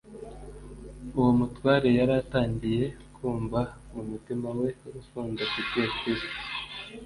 Uwo mutware yari yatangiye kumva mu mutima we urukundo afitiye Kristo,